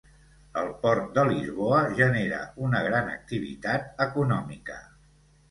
El port de Lisboa genera una gran activitat econòmica.